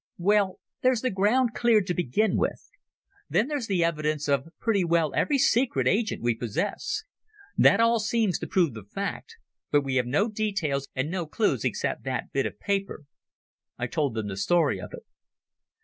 "Well, there's the ground cleared to begin with. Then there's the evidence of pretty well every secret agent we possess. That all seems to prove the fact. But we have no details and no clues except that bit of paper." I told them the story of it.